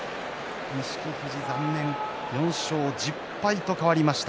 錦富士残念、４勝１０敗と変わりました。